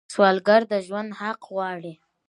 سوالګر د ژوند حق غواړي